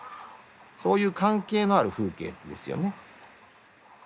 そういう関係のある風景ですよね。